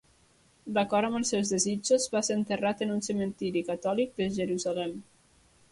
D'acord amb els seus desitjos va ser enterrat en un cementiri catòlic de Jerusalem.